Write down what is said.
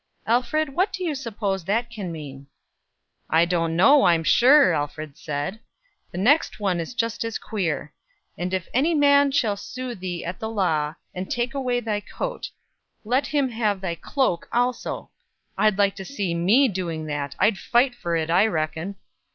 "Alfred, what do you suppose that can mean?" "Don't know, I'm sure," Alfred said. "The next one is just as queer: 'And if any man will sue thee at the law, and take away thy coat, let him have thy cloak also.' I'd like to see me doing that. I'd fight for it, I reckon."